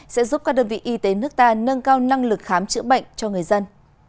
sẽ giúp các đơn vị y tế nước ta nâng cao năng lực khám chữa bệnh cho người dân